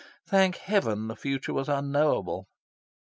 Thank heaven the future was unknowable?